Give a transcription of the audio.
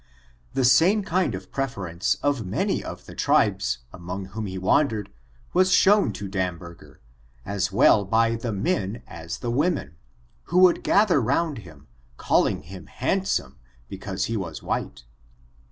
The same kind of preference of many of the tribes, amcHig whom he wandered, was showu to Damber ger, as well by the men as the women,, who would gather round him, calling him handsome because he was white.